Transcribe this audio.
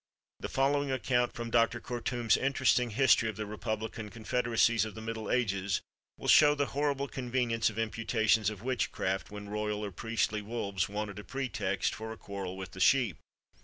The following account, from Dr. Kortüm's interesting history of the republican confederacies of the middle ages, will shew the horrible convenience of imputations of witchcraft when royal or priestly wolves wanted a pretext for a quarrel with the sheep.